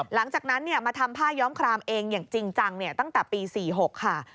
หลังจากนั้นมาทำผ้าย้อมครามเองอย่างจริงจังตั้งแต่ปี๔๖ค่ะ